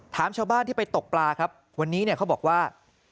ถามชาวบ้านที่ไปตกปลาครับวันนี้เนี่ยเขาบอกว่า